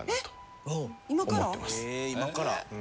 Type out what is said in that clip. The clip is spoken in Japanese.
え今から？